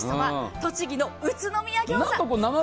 栃木の宇都宮餃子。